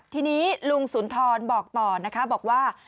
ทีนี้ลุงสุนทรบอกต่อนะคะบอกว่า